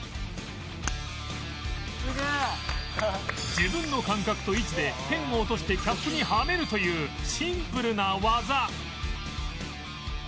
自分の感覚と位置でペンを落としてキャップにはめるというシンプルな技